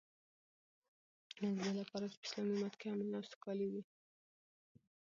نو ددی لپاره چی په اسلامی امت کی امن او سوکالی وی